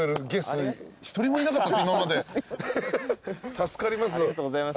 助かります。